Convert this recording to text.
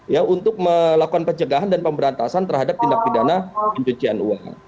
ya untuk melakukan pencegahan dan pemberantasan terhadap tindak pidana pencucian uang